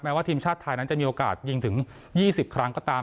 ว่าทีมชาติไทยนั้นจะมีโอกาสยิงถึง๒๐ครั้งก็ตาม